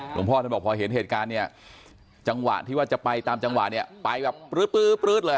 พ่อท่านบอกพอเห็นเหตุการณ์เนี่ยจังหวะที่ว่าจะไปตามจังหวะเนี่ยไปแบบปลื๊ดเลย